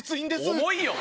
重いよ！